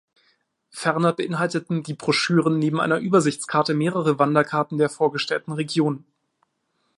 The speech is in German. Ferner beinhalteten die Broschüren neben einer Übersichtskarte mehrere Wanderkarten der vorgestellten Region.